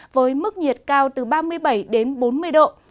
với mức nhiệt cao từ ba mươi bảy đến bốn mươi độ